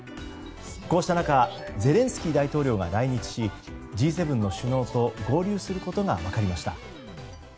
こうした中ゼレンスキー大統領が来日しＧ７の首脳と合流することが分かりました。